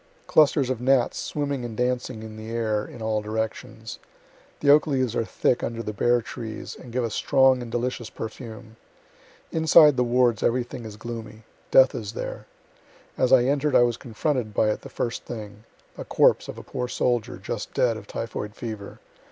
Clusters of gnats swimming and dancing in the air in all directions. The oak leaves are thick under the bare trees, and give a strong and delicious perfume. Inside the wards everything is gloomy. Death is there. As I enter'd, I was confronted by it the first thing; a corpse of a poor soldier, just dead, of typhoid fever.